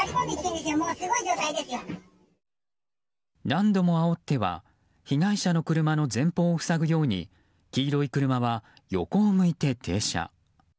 何度もあおっては被害者の車の前方を塞ぐように黄色い車は横を向いて停車。